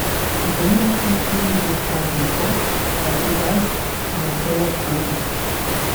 Die Gründungsmitglieder sind Claudia Koch, Hardy Reich und Andreas Rohde.